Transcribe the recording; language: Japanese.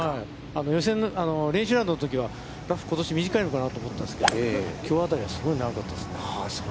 練習ラウンドのときは、ラフ、ことし短いのかなと思ったんですけど、きょうあたりはすごい長かったですね。